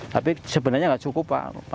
tapi sebenarnya nggak cukup